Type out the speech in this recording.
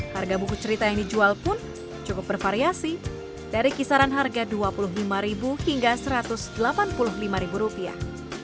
harga buku cerita yang dijual pun cukup bervariasi dari kisaran harga dua puluh lima hingga satu ratus delapan puluh lima rupiah